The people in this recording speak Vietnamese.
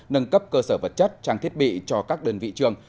nâng cấp cơ sở vật chất trang thiết bị cho các đơn vị trường